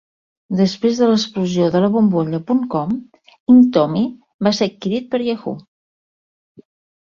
Després de l'explosió de la bombolla puntcom, Inktomi va ser adquirit per Yahoo!